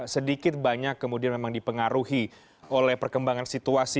sedikit banyak kemudian memang dipengaruhi oleh perkembangan situasi